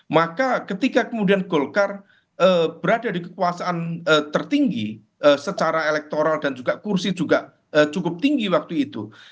maka ketika kemudian golkar berada di kekuasaan tertinggi secara elektoral dan juga kursi juga cukup tinggi waktu itu